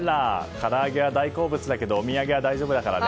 から揚げは大好物だけどお土産は大丈夫だからね。